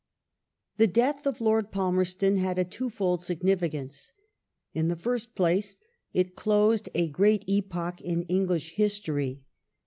The death of Lord Palmereton had a two fold significance. In the first place, it closed a great epoch in English history.